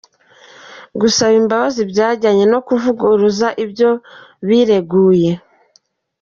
Gusaba imbabazi byajyanye no kuvuguruza ibyo bireguye.